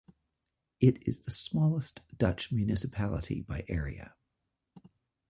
It is the smallest Dutch municipality by area.